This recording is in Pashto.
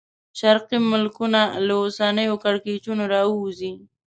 شرقي ملکونه له اوسنیو کړکېچونو راووځي.